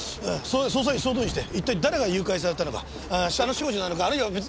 捜査員を総動員して一体誰が誘拐されたのかあの少女なのかあるいは別。